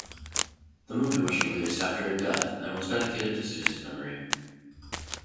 The movie was released after her death and was dedicated to Suzie's memory.